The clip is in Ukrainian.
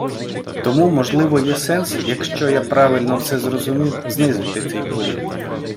Тому, можливо є сенс, якщо я правильно все зрозумів, знизити цей поріг.